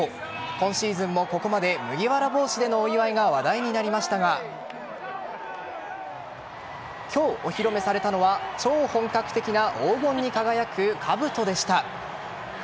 今シーズンもここまで麦わら帽子でのお祝いが話題になりましたが今日、お披露目されたのは超本格的な黄金に輝くかぶとでした。